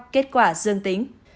kết quả dương tính